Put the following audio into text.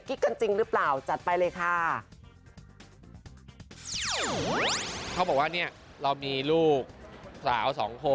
กิ๊กกันจริงหรือเปล่าจัดไปเลยค่ะ